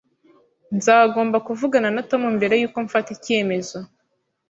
Nzagomba kuvugana na Tom mbere yuko mfata icyemezo